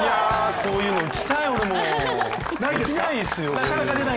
こういうの打ちたい！